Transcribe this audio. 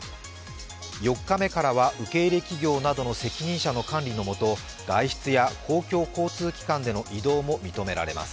４日からは受け入れ企業などの責任者の管理の下外出や公共交通機関での移動も認められます。